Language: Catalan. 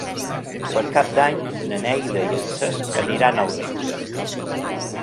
Per Cap d'Any na Neida i en Cesc aniran al metge.